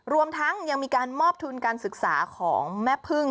รวมทั้งยังมีการมอบทุนการศึกษาของแม่พึ่ง